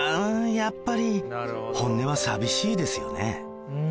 やっぱり本音は寂しいですよね